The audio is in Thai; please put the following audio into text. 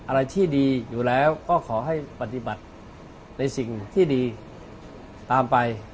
อะไรที่ดีอยู่แล้วก็ขอให้ปฏิบัติในสิ่งที่ดีตามไป